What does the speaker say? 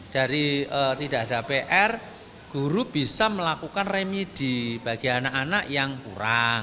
dari tidak ada pr guru bisa melakukan remidi bagi anak anak yang kurang